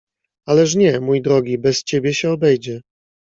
"Ależ nie, mój drogi, bez ciebie się obejdzie."